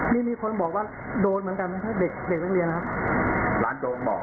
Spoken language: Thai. นี่มีคนบอกว่าโดนเหมือนกันมันใช่เด็กเรียนนะครับ